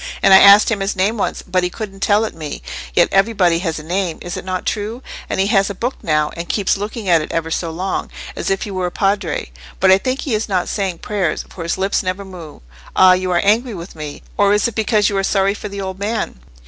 And I asked him his name once, but he couldn't tell it me: yet everybody has a name—is it not true? And he has a book now, and keeps looking at it ever so long, as if he were a Padre. But I think he is not saying prayers, for his lips never move;—ah, you are angry with me, or is it because you are sorry for the old man?"